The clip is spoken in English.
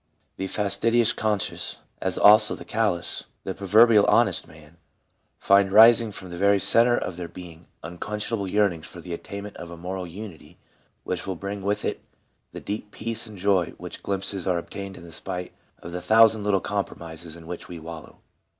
The fastidious conscience, as also the callous, pro verbially honest man, find rising from the very centre of their being unquenchable yearnings for the attainment of a moral unity which will bring with it the deep peace and joy of which glimpses are obtained in spite of the thousand little compromises in which we wallow.